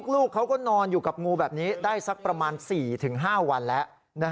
ลูกเขาก็นอนอยู่กับงูแบบนี้ได้สักประมาณ๔๕วันแล้ว